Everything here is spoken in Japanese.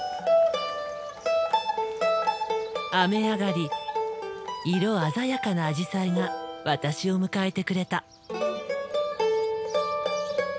雨上がり色鮮やかなアジサイが私を迎えてくれた。